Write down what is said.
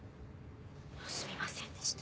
すみませんでした。